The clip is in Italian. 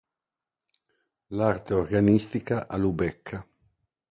L'arte organistica a Lubecca.